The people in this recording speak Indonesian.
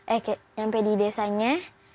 eh sampai di desanya